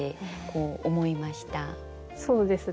そうですね。